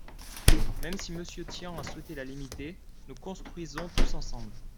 Même si Monsieur Tian a souhaité la limiter, Nous construisons tous ensemble